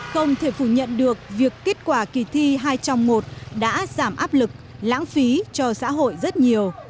không thể phủ nhận được việc kết quả kỳ thi hai trong một đã giảm áp lực lãng phí cho xã hội rất nhiều